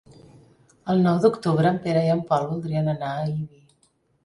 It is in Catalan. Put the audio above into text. El nou d'octubre en Pere i en Pol voldrien anar a Ibi.